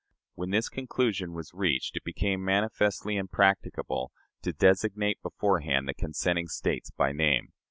When this conclusion was reached, it became manifestly impracticable to designate beforehand the consenting States by name.